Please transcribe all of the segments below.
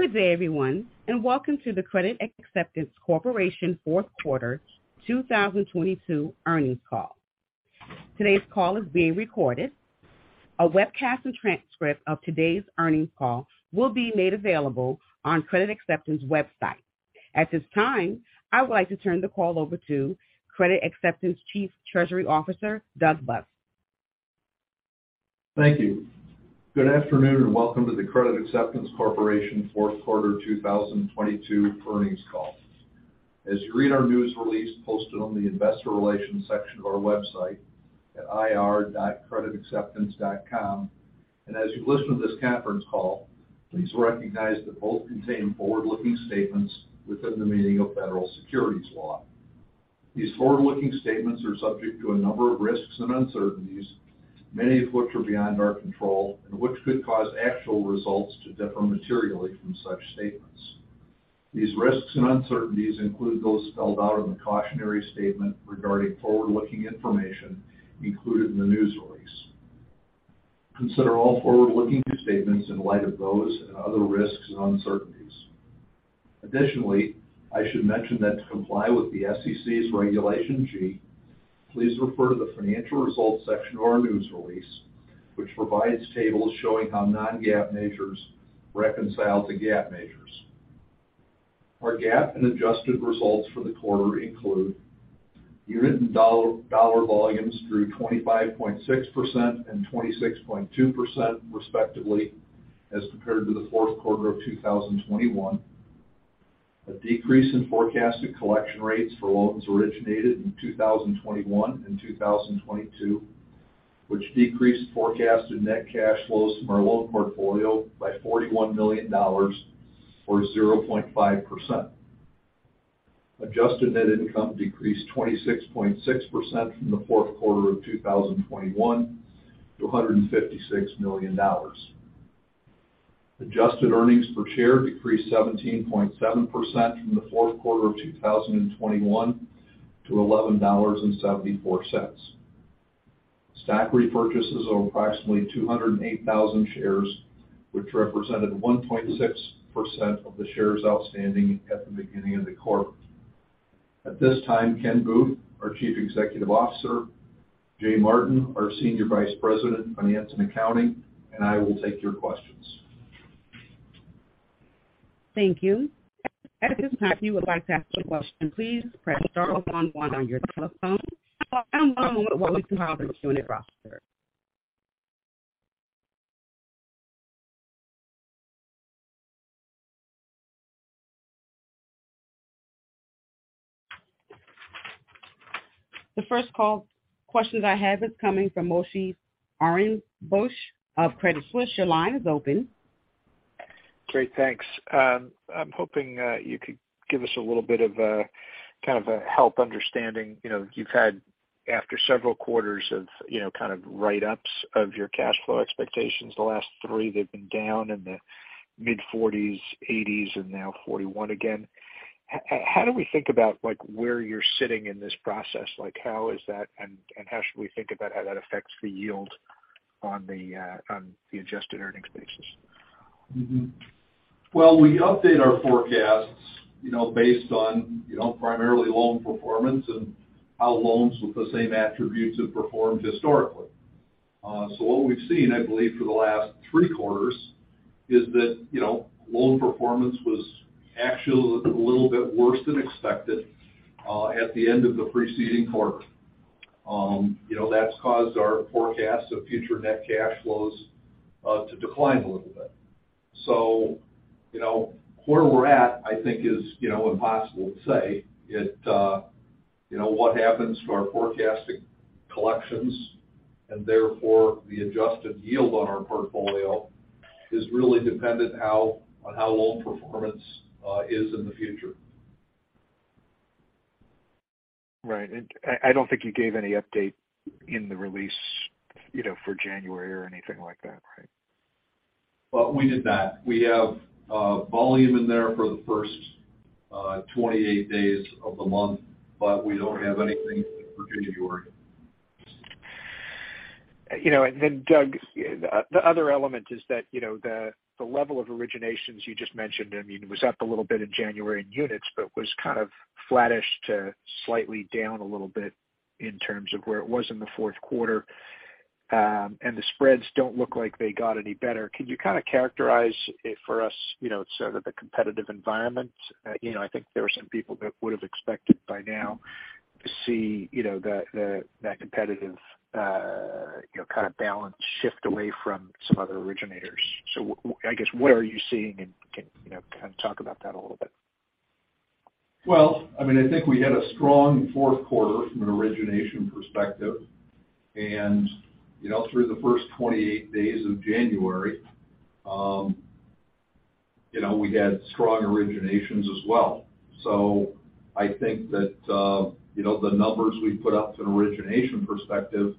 Good day everyone, welcome to the Credit Acceptance Corporation Q4 2022 Earnings Call. Today's call is being recorded. A webcast and transcript of today's earnings call will be made available on Credit Acceptance website. At this time, I would like to turn the call over to Credit Acceptance Chief Treasury Officer, Doug Busk. Thank you. Good afternoon, welcome to the Credit Acceptance Corporation Q4 2022 Earnings Call. As you read our news release posted on the investor relations section of our website at ir.creditacceptance.com, as you listen to this conference call, please recognize that both contain forward-looking statements within the meaning of federal securities law. These forward-looking statements are subject to a number of risks and uncertainties, many of which are beyond our control and which could cause actual results to differ materially from such statements. These risks and uncertainties include those spelled out in the cautionary statement regarding forward-looking information included in the news release. Consider all forward-looking statements in light of those and other risks and uncertainties. Additionally, I should mention that to comply with the SEC's Regulation G, please refer to the Financial Results section of our news release, which provides tables showing how non-GAAP measures reconcile to GAAP measures. Our GAAP and adjusted results for the quarter include unit and dollar volumes grew 25.6% and 26.2% respectively, as compared to the Q4 of 2021. A decrease in forecasted collection rates for loans originated in 2021 and 2022, which decreased forecasted net cash flows from our loan portfolio by $41 million or 0.5%. Adjusted net income decreased 26.6% from the Q4 of 2021 to $156 million. Adjusted earnings per share decreased 17.7% from the Q4 of 2021 to $11.74. Stock repurchases of approximately 208,000 shares, which represented 1.6% of the shares outstanding at the beginning of the quarter. At this time, Ken Booth, our Chief Executive Officer, Jay Martin, our Senior Vice President, Finance and Accounting, and I will take your questions. Thank you. At this time, if you would like to ask a question, please press star one one on your telephone. One moment while we compile the Q&A roster. The first call question that I have is coming from Moshe Orenbuch of Credit Suisse. Your line is open. Great. Thanks. I'm hoping you could give us a little bit of a... kind of a help understanding. You know, you've had after several quarters of, you know, kind of write-ups of your cash flow expectations. The last three, they've been down in the mid-40s, 80s, and now 41 again. How do we think about, like, where you're sitting in this process? Like, how is that and how should we think about how that affects the yield on the adjusted earnings basis? We update our forecasts, you know, based on, you know, primarily loan performance and how loans with the same attributes have performed historically. What we've seen, I believe, for the last three quarters is that, you know, loan performance was actually a little bit worse than expected at the end of the preceding quarter. You know, that's caused our forecast of future net cash flows to decline a little bit. Where we're at, I think is, you know, impossible to say. You know, what happens to our forecasting collections, and therefore the adjusted yield on our portfolio is really dependent on how loan performance is in the future. Right. I don't think you gave any update in the release, you know, for January or anything like that, right? We did that. We have volume in there for the first 28 days of the month, but we don't have anything for January. You know, Doug, the other element is that, you know, the level of originations you just mentioned, I mean, it was up a little bit in January in units, but was kind of flattish to slightly down a little bit in terms of where it was in the Q4. The spreads don't look like they got any better. Can you kinda characterize it for us, you know, so that the competitive environment? You know, I think there are some people that would have expected by now to see, you know, that competitive, you know, kind of balance shift away from some other originators. I guess, what are you seeing, and can you know, kind of talk about that a little bit? Well, I mean, I think we had a strong Q4 from an origination perspective. You know, through the first 28 days of January, you know, we had strong originations as well. I think that, you know, the numbers we put up from origination perspective,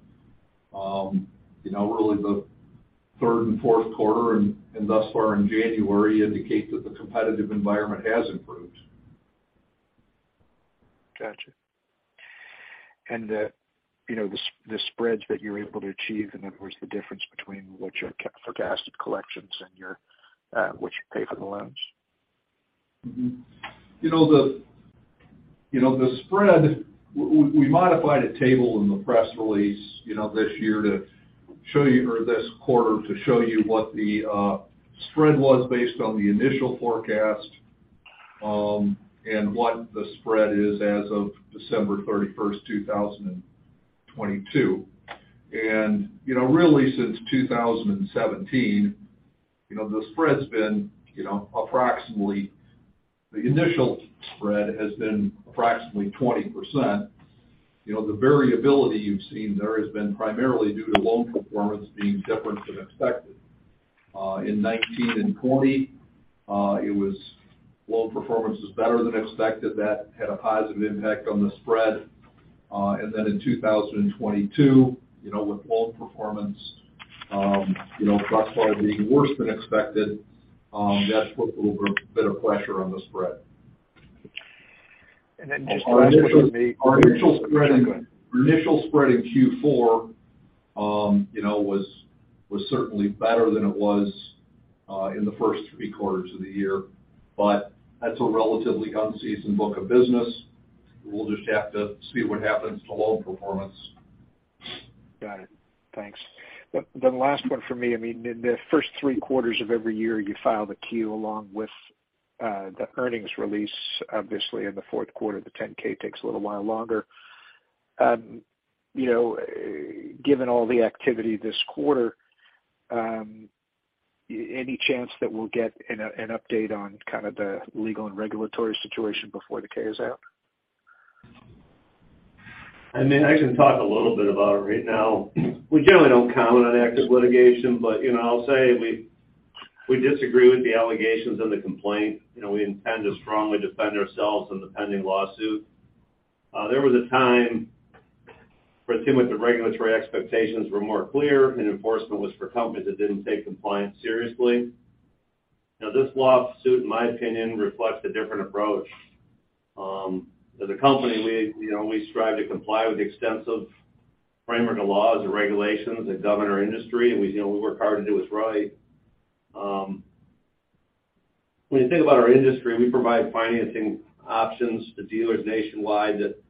you know, really the third and Q4 and thus far in January indicate that the competitive environment has improved. The, you know, the spreads that you're able to achieve, and then of course, the difference between what your forecast collections and your what you pay for the loans. Mm-hmm. You know, the, you know, the spread, we modified a table in the press release, you know, this year to show you or this quarter to show you what the spread was based on the initial forecast, and what the spread is as of December 31st, 2022. You know, really since 2017, you know, the spread's been, you know, approximately. The initial spread has been approximately 20%. You know, the variability you've seen there has been primarily due to loan performance being different than expected. In 2019 and 2020, it was loan performance was better than expected. That had a positive impact on the spread. Then in 2022, you know, with loan performance, you know, approximately being worse than expected, that's put a little bit of pressure on the spread. Just the last one for me. Our initial Go ahead. Initial spread in Q4, you know, was certainly better than it was in the first three quarters of the year. That's a relatively unseasoned book of business. We'll just have to see what happens to loan performance. Got it. Thanks. The last one for me, I mean, in the first three quarters of every year, you file the Q along with the earnings release, obviously, in the Q4, the Form 10-K takes a little while longer. You know, given all the activity this quarter, any chance that we'll get an update on kind of the legal and regulatory situation before the K is out? I mean, I can talk a little bit about it right now. We generally don't comment on active litigation, but, you know, I'll say we disagree with the allegations and the complaint. You know, we intend to strongly defend ourselves in the pending lawsuit. There was a time where it seemed like the regulatory expectations were more clear, and enforcement was for companies that didn't take compliance seriously. Now, this lawsuit, in my opinion, reflects a different approach. As a company, we, you know, we strive to comply with the extensive framework of laws and regulations that govern our industry. We, you know, we work hard to do what's right. When you think about our industry, we provide financing options to dealers nationwide that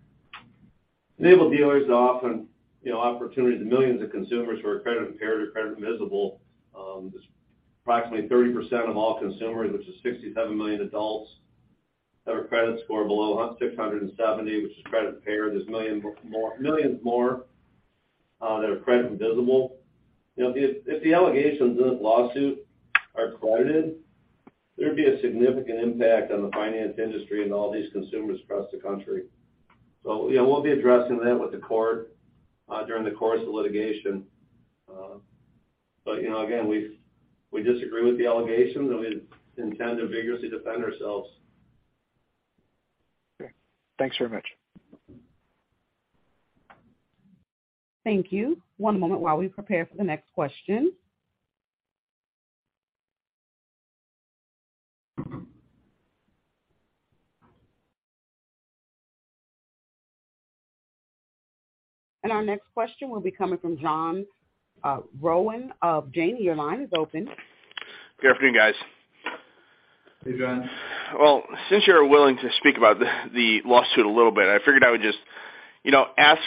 enable dealers to offer, you know, opportunities to millions of consumers who are credit impaired or credit invisible. There's approximately 30% of all consumers, which is 67 million adults, that have a credit score below 670, which is credit impaired. There's millions more that are credit invisible. You know, if the, if the allegations in this lawsuit are credited, there'd be a significant impact on the finance industry and all these consumers across the country. You know, we'll be addressing that with the court during the course of litigation. You know, again, we disagree with the allegations, and we intend to vigorously defend ourselves. Okay. Thanks very much. Thank you. One moment while we prepare for the next question. Our next question will be coming from John Rowan of Janney. Your line is open. Good afternoon, guys. Hey, John. Well, since you're willing to speak about the lawsuit a little bit, I figured I would just, you know, ask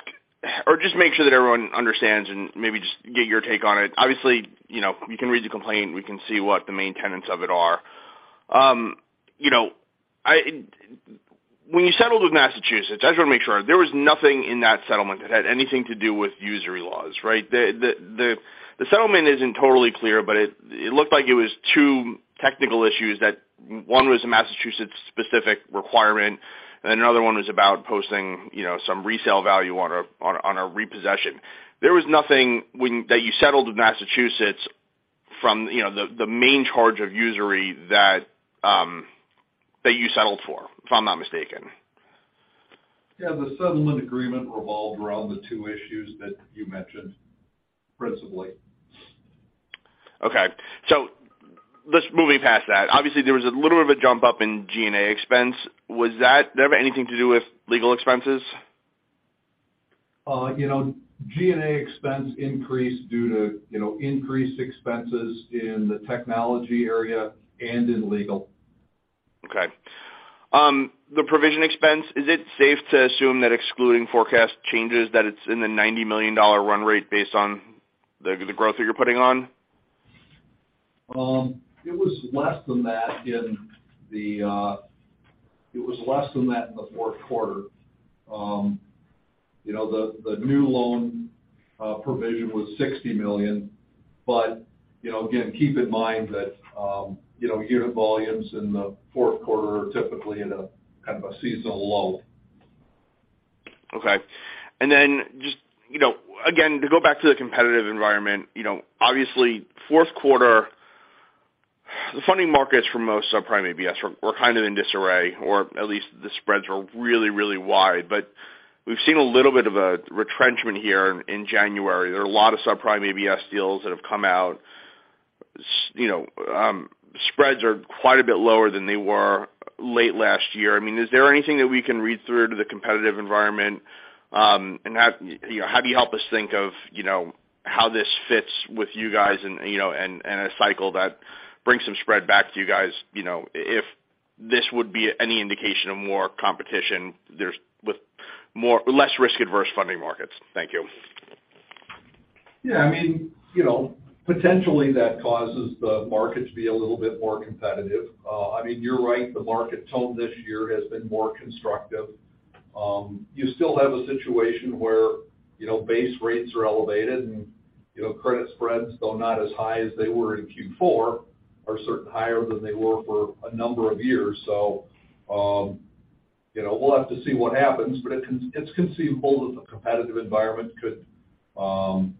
or just make sure that everyone understands and maybe just get your take on it. Obviously, you know, we can read the complaint, we can see what the main tenets of it are. You know, when you settled with Massachusetts, I just wanna make sure there was nothing in that settlement that had anything to do with usury laws, right? The settlement isn't totally clear, but it looked like it was two technical issues that one was a Massachusetts specific requirement, and another one was about posting, you know, some resale value on a, on a, on a repossession. There was nothing that you settled with Massachusetts from, you know, the main charge of usury that you settled for, if I'm not mistaken. Yeah, the settlement agreement revolved around the two issues that you mentioned, principally. Okay. let's moving past that. Obviously, there was a little bit of a jump up in G&A expense. did it have anything to do with legal expenses? You know, G&A expense increased due to, you know, increased expenses in the technology area and in legal. Okay. The provision expense, is it safe to assume that excluding forecast changes, that it's in the $90 million run rate based on the growth that you're putting on? It was less than that in the Q4. You know, the new loan provision was $60 million. You know, again, keep in mind that, you know, unit volumes in the Q4 are typically at a kind of a seasonal low. Okay. Just, you know, again, to go back to the competitive environment, you know, obviously Q4, the funding markets for most subprime ABS were kind of in disarray, or at least the spreads were really, really wide. We've seen a little bit of a retrenchment here in January. There are a lot of subprime ABS deals that have come out You know, spreads are quite a bit lower than they were late last year. I mean, is there anything that we can read through to the competitive environment? How, you know, how do you help us think of, you know, how this fits with you guys and, you know, and a cycle that brings some spread back to you guys, you know, if this would be any indication of more competition with more less risk-averse funding markets? Thank you. Yeah, I mean, you know, potentially that causes the market to be a little bit more competitive. I mean, you're right, the market tone this year has been more constructive. You still have a situation where, you know, base rates are elevated and, you know, credit spreads, though not as high as they were in Q4, are certain higher than they were for a number of years. We'll have to see what happens, but it's conceivable that the competitive environment could, you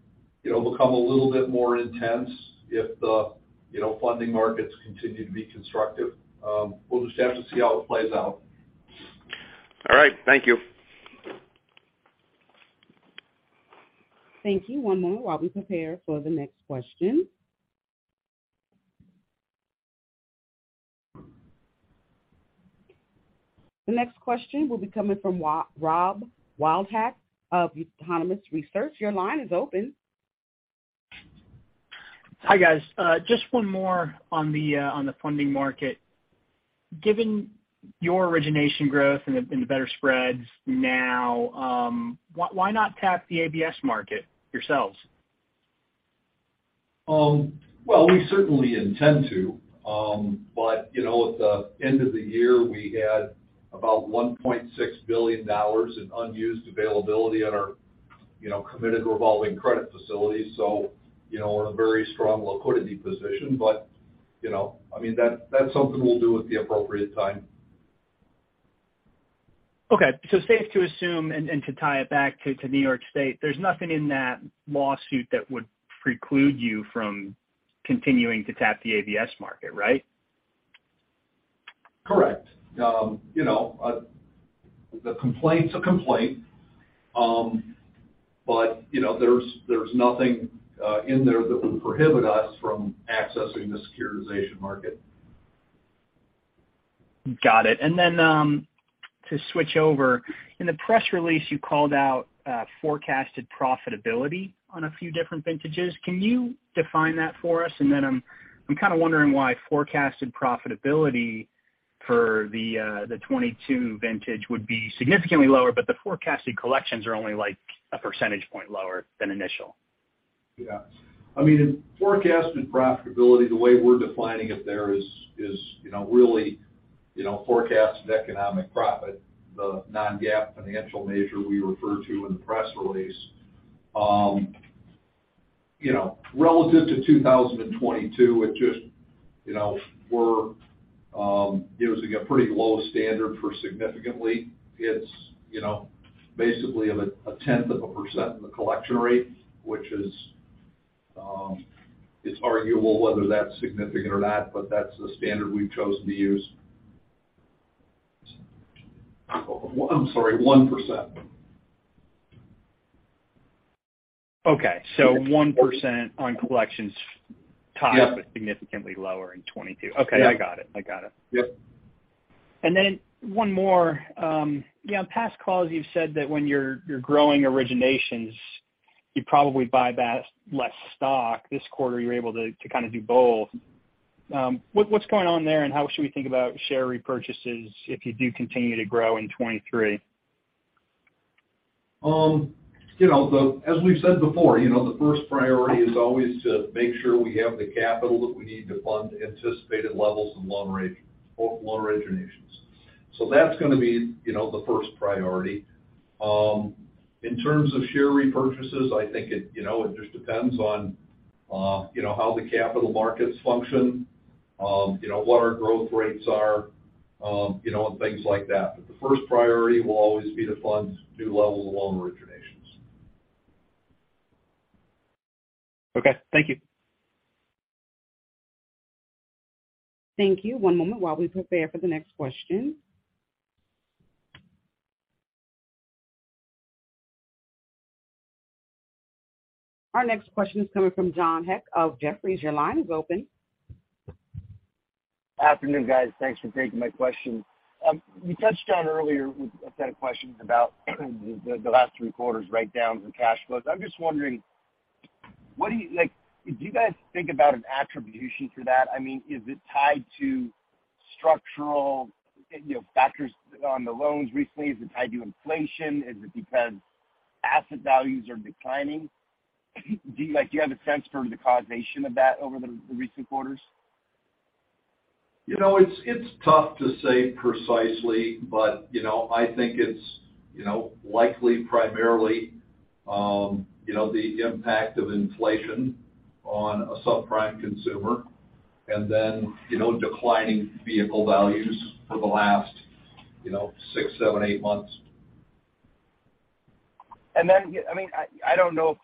know, become a little bit more intense if the, you know, funding markets continue to be constructive. We'll just have to see how it plays out. All right. Thank you. Thank you. One moment while we prepare for the next question. The next question will be coming from Rob Wildhack of Autonomous Research. Your line is open. Hi, guys. Just one more on the funding market. Given your origination growth and the better spreads now, why not tap the ABS market yourselves? Well, we certainly intend to. You know, at the end of the year, we had about $1.6 billion in unused availability on our, you know, committed revolving credit facilities. You know, we're in a very strong liquidity position, you know, I mean, that's something we'll do at the appropriate time. Okay. Safe to assume and to tie it back to New York State, there's nothing in that lawsuit that would preclude you from continuing to tap the ABS market, right? Correct. you know, the complaint's a complaint. You know, there's nothing in there that would prohibit us from accessing the securitization market. Got it. Then, to switch over. In the press release, you called out forecasted profitability on a few different vintages. Can you define that for us? Then I'm kind of wondering why forecasted profitability for the 2022 vintage would be significantly lower, but the forecasted collections are only like a percentage point lower than initial. Yeah. I mean, forecasted profitability, the way we're defining it there is, you know, really, you know, forecasted economic profit, the non-GAAP financial measure we refer to in the press release. You know, relative to 2022, it just, you know, we're using a pretty low standard for significantly. It's, you know, basically 0.1% in the collection rate, which is, it's arguable whether that's significant or not, but that's the standard we've chosen to use. I'm sorry, 1%. Okay. 1% on collections tied up but significantly lower in 2022. Okay. I got it. I got it. Yes. One more. Yeah, on past calls, you've said that when you're growing originations, you probably buy back less stock. This quarter, you're able to kind of do both. What's going on there, and how should we think about share repurchases if you do continue to grow in 2023? You know, as we've said before, you know, the first priority is always to make sure we have the capital that we need to fund anticipated levels of loan originations. That's gonna be, you know, the first priority. In terms of share repurchases, I think it, you know, it just depends on, you know, how the capital markets function, you know, what our growth rates are, you know, and things like that. The first priority will always be to fund new level of loan originations. Okay, thank you. Thank you. One moment while we prepare for the next question. Our next question is coming from John Hecht of Jefferies. Your line is open. Afternoon, guys. Thanks for taking my question. You touched on earlier with a set of questions about the last three quarters write-downs and cash flows. I'm just wondering, like, do you guys think about an attribution for that? I mean, is it tied to structural, you know, factors on the loans recently? Is it tied to inflation? Is it because asset values are declining? Do you, like, do you have a sense for the causation of that over the recent quarters? You know, it's tough to say precisely, but, you know, I think it's, you know, likely primarily, you know, the impact of inflation on a subprime consumer and then, you know, declining vehicle values for the last, you know, six, seven, eight months. I mean, I don't know if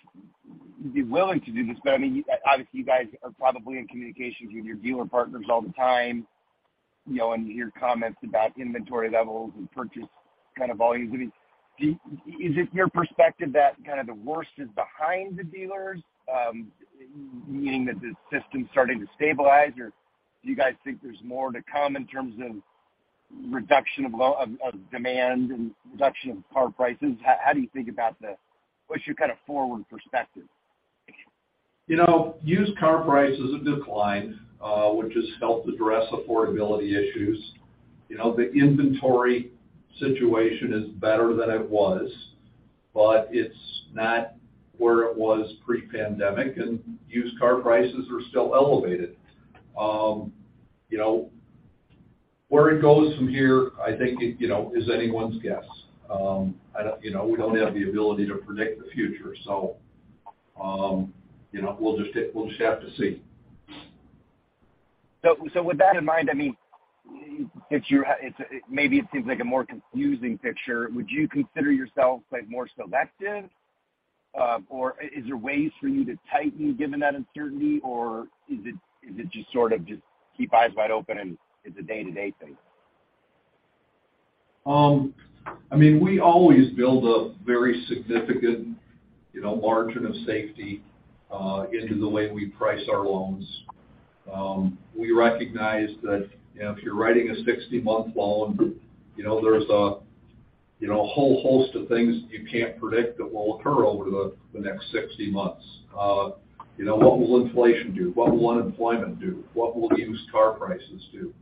you'd be willing to do this, but I mean, obviously you guys are probably in communications with your dealer partners all the time. You know, in your comments about inventory levels and purchase kind of volumes, I mean, is it your perspective that kind of the worst is behind the dealers, meaning that the system's starting to stabilize, or do you guys think there's more to come in terms of reduction of demand and reduction of car prices? What's your kind of forward perspective? You know, used car prices have declined, which has helped address affordability issues. You know, the inventory situation is better than it was, but it's not where it was pre-pandemic, and used car prices are still elevated. You know, where it goes from here, I think it, you know, is anyone's guess. You know, we don't have the ability to predict the future. You know, we'll just have to see. With that in mind, I mean, if you're maybe it seems like a more confusing picture, would you consider yourself, like, more selective? Or is there ways for you to tighten given that uncertainty? Or is it just sort of just keep eyes wide open, and it's a day-to-day thing? I mean, we always build a very significant, you know, margin of safety into the way we price our loans. We recognize that, you know, if you're writing a 60-month loan, you know, there's a, you know, a whole host of things you can't predict that will occur over the next 60 months. You know, what will inflation do? What will unemployment do? What will used car prices do?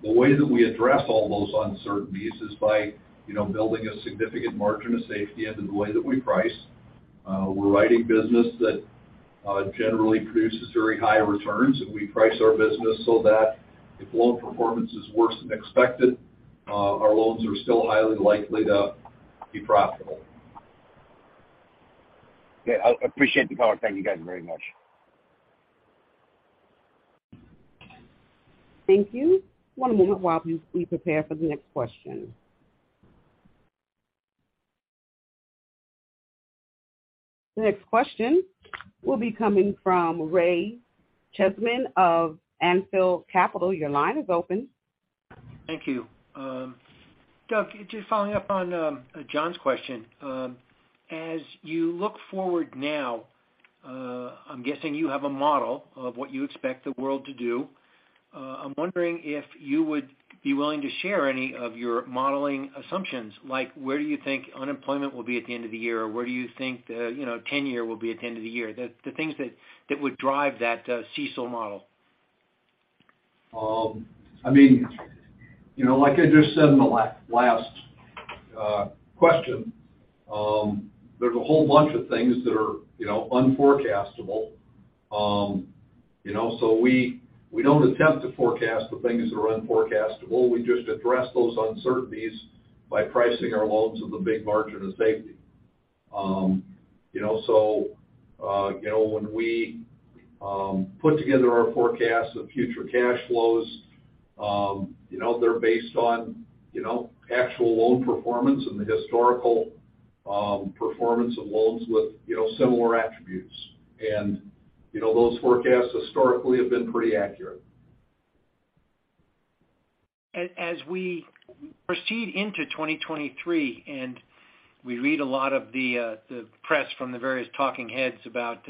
The way that we address all those uncertainties is by, you know, building a significant margin of safety into the way that we price. We're writing business that generally produces very high returns, and we price our business so that if loan performance is worse than expected, our loans are still highly likely to be profitable. Yeah. I'll appreciate the color. Thank you guys very much. Thank you. One moment while we prepare for the next question. The next question will be coming from Ray Cheesman of Anfield Capital. Your line is open. Thank you. Doug, just following up on John's question. As you look forward now, I'm guessing you have a model of what you expect the world to do. I'm wondering if you would be willing to share any of your modeling assumptions, like where do you think unemployment will be at the end of the year, or where do you think the, you know, 10-year will be at the end of the year? The things that would drive that CECL model. I mean, you know, like I just said in the last question, there's a whole bunch of things that are, you know, unforecastable. You know, we don't attempt to forecast the things that are unforecastable. We just address those uncertainties by pricing our loans with a big margin of safety. You know, when we put together our forecast of future cash flows, you know, they're based on, you know, actual loan performance and the historical performance of loans with, you know, similar attributes. You know, those forecasts historically have been pretty accurate. As we proceed into 2023, and we read a lot of the press from the various talking heads about,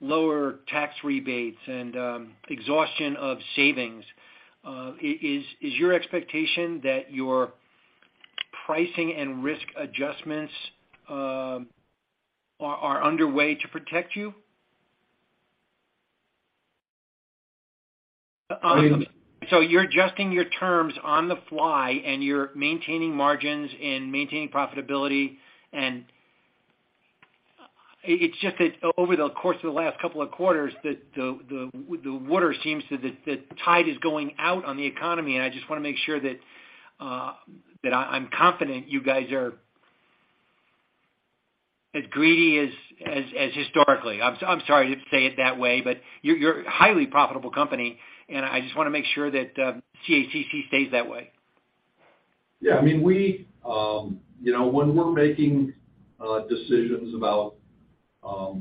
lower tax rebates and, exhaustion of savings, is your expectation that your pricing and risk adjustments, are underway to protect you? I'm- You're adjusting your terms on the fly, and you're maintaining margins and maintaining profitability. It's just that over the course of the last couple of quarters, the water seems to... the tide is going out on the economy, and I just wanna make sure that I'm confident you guys are as greedy as historically. I'm sorry to say it that way, but you're a highly profitable company, and I just wanna make sure that CACC stays that way. I mean, we, you know, when we're making decisions about,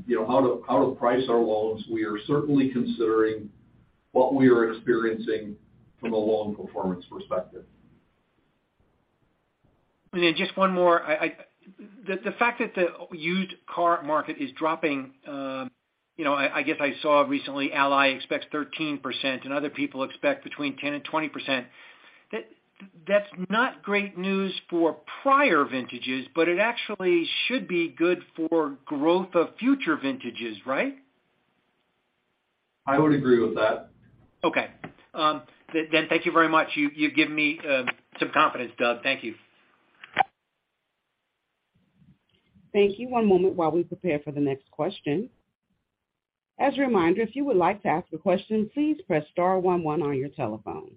you know, how to, how to price our loans, we are certainly considering what we are experiencing from a loan performance perspective. Then just one more. The fact that the used car market is dropping, you know, I guess I saw recently Ally expects 13%, and other people expect between 10%-20%. That's not great news for prior vintages, but it actually should be good for growth of future vintages, right? I would agree with that. Okay. Thank you very much. You've given me, some confidence, Doug. Thank you. Thank you. One moment while we prepare for the next question. As a reminder, if you would like to ask a question, please press star one, one on your telephone.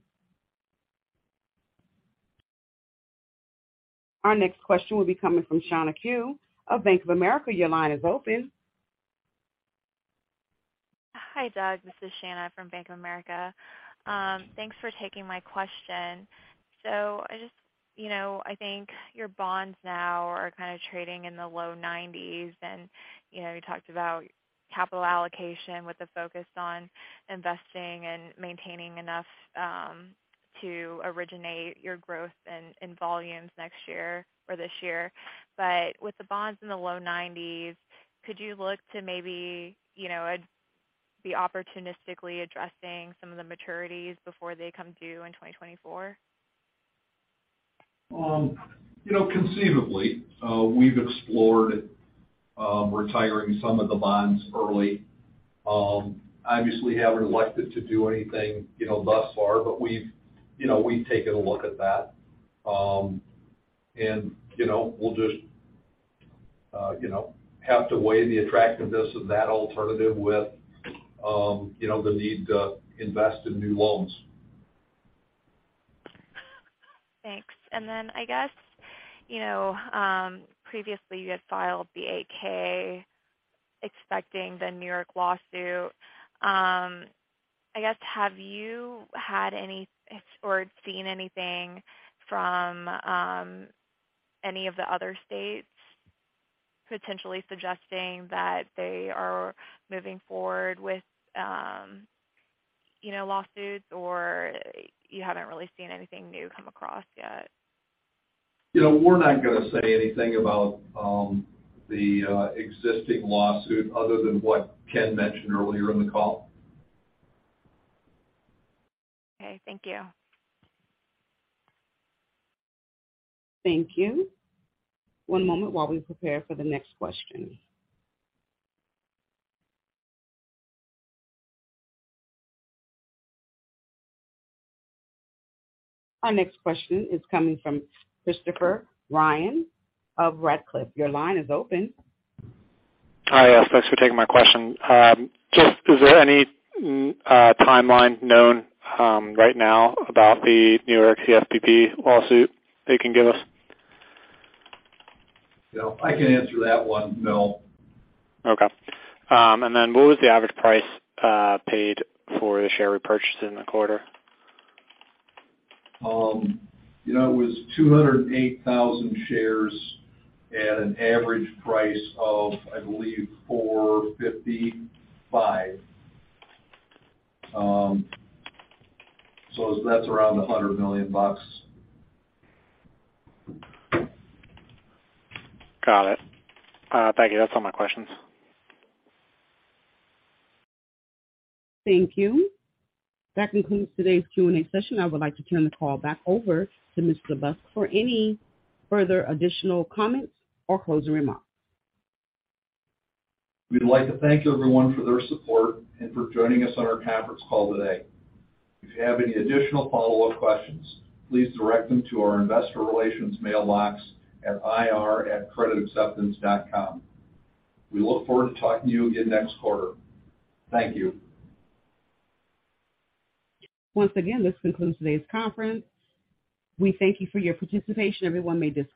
Our next question will be coming from Sanjay Sakhrani of Bank of America. Your line is open. Hi, Doug. This is Shanna from Bank of America. Thanks for taking my question. I just, you know, I think your bonds now are kind of trading in the low 90s. You know, you talked about capital allocation with the focus on investing and maintaining enough to originate your growth in volumes next year or this year. With the bonds in the low 90s, could you look to maybe, you know, be opportunistically addressing some of the maturities before they come due in 2024? You know, conceivably. We've explored, retiring some of the bonds early. Obviously haven't elected to do anything, you know, thus far, but we've, you know, we've taken a look at that. You know, we'll just, you know, have to weigh the attractiveness of that alternative with, you know, the need to invest in new loans. Thanks. I guess, you know, previously you had filed the 8-K expecting the New York lawsuit. I guess, have you had or seen anything from any of the other states potentially suggesting that they are moving forward with, you know, lawsuits or you haven't really seen anything new come across yet? You know, we're not gonna say anything about the existing lawsuit other than what Ken mentioned earlier in the call. Okay. Thank you. Thank you. One moment while we prepare for the next question. Our next question is coming from Christopher Ryan of Radcliffe. Your line is open. Hi. Thanks for taking my question. Just is there any timeline known right now about the New York CFPB lawsuit that you can give us? Yeah, I can answer that one. No. Okay. What was the average price paid for the share repurchased in the quarter? You know, it was 208,000 shares at an average price of, I believe, $4.55. That's around $100 million. Got it. Thank you. That's all my questions. Thank you. That concludes today's Q&A session. I would like to turn the call back over to Mr. Busk for any further additional comments or closing remarks. We'd like to thank everyone for their support and for joining us on our conference call today. If you have any additional follow-up questions, please direct them to our investor relations mailbox at ir@creditacceptance.com. We look forward to talking to you again next quarter. Thank you. Once again, this concludes today's conference. We thank you for your participation. Everyone may disconnect.